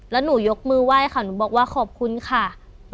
แล้วหนูยกมือไหว้เขาหนูบอกว่าขอบคุณค่ะ